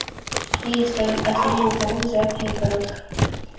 Ей отвели уголок за перегородкой.